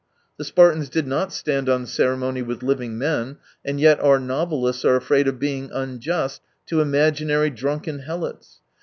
The Spartans did not stand on ceremony with living men, and yet our novelists are afraid of being unjust to imaginary drunken helots.